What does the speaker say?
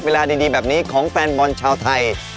เวลาดีแบบนี้ของแฟนบอลชาวไทย